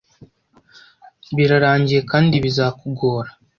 Birarangiye kandi bizakugora